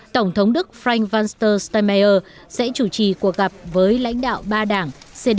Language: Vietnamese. tổng thống đức frank walster steinmeier sẽ chủ trì cuộc gặp với lãnh đạo ba đảng cdu csu và spd